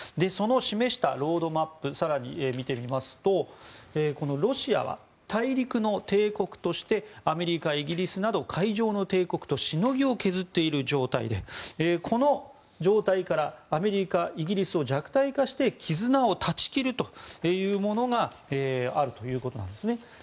その示したロードマップを更に見てみますとロシアは大陸の帝国としてアメリカ、イギリスなど海上の帝国としのぎを削っている状態でこの状態からアメリカ、イギリスを弱体化して絆を断ち切るというものがあるということなんですね。